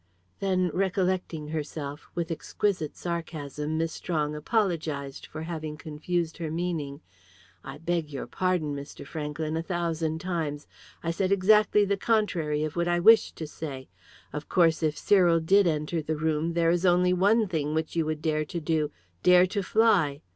Then, recollecting herself, with exquisite sarcasm Miss Strong apologised for having confused her meaning. "I beg your pardon, Mr. Franklyn, a thousand times. I said exactly the contrary of what I wished to say. Of course, if Cyril did enter the room, there is only one thing which you would dare to do, dare to fly.